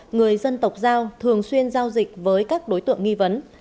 người dân tộc giao thường xuyên giao dịch với các đối tượng nghi vấn